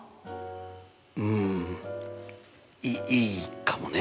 うんいいいかもね。